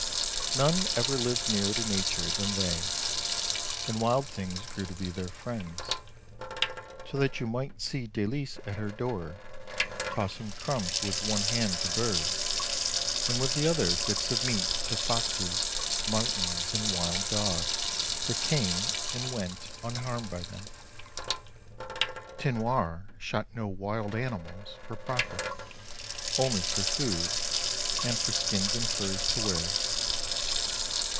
None ever lived nearer to nature than they, and wild things grew to be their friends ; so that you might see Dalice at her door, toss ing crumbs with one hand to birds, and with the other bits of meat to foxes, martins, and wild dogs, that came and went unharmed by them. Tinoir shot no wild animals for profit — only for food and for skins and furs to wear.